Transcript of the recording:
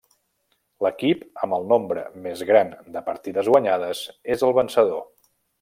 L'equip amb el nombre més gran de partides guanyades és el vencedor.